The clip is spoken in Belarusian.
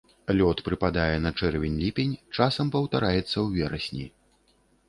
Лёт прыпадае на чэрвень-ліпень, часам паўтараецца ў верасні.